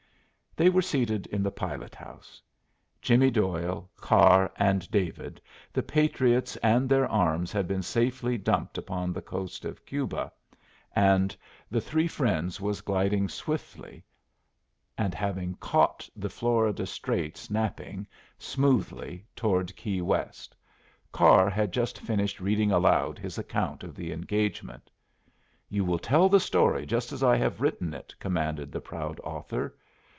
They were seated in the pilot house, "Jimmy" Doyle, Carr, and David, the patriots and their arms had been safely dumped upon the coast of Cuba, and The Three Friends was gliding swiftly and, having caught the Florida straits napping, smoothly toward Key West. Carr had just finished reading aloud his account of the engagement. "You will tell the story just as I have written it," commanded the proud author.